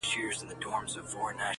سور سالو يې د لمبو رنګ دی اخيستى!.